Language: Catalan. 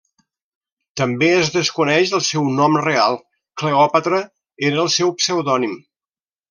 També es desconeix el seu nom real, Cleòpatra era el seu pseudònim.